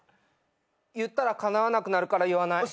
言ったらかなわなくなるから言わない。